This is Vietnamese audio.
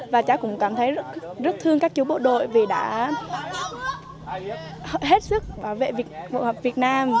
và cháu cũng cảm thấy rất thương các chú bộ đội vì đã hết sức bảo vệ bộ hợp việt nam